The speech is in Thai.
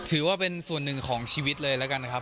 ถือว่าเป็นส่วนหนึ่งของชีวิตเลยแล้วกันนะครับ